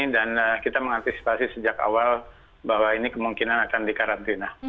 dan kita mengantisipasi sejak awal bahwa ini kemungkinan akan dikarantina